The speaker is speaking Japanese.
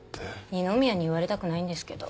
二宮に言われたくないんですけど。